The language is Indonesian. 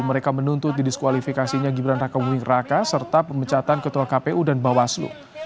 mereka menuntut didiskualifikasinya gibran raka buming raka serta pemecatan ketua kpu dan bawaslu